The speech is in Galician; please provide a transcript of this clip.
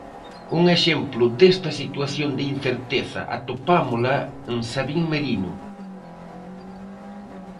Un exemplo desta situación de incerteza atopámola en Sabin Merino.